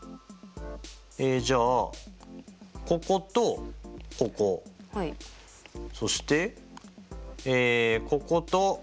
えじゃあこことここそしてこことここ。